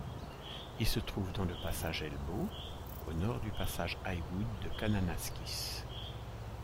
Il se trouve dans le Passage Elbow, au nord du Passage Highwood de Kananaskis.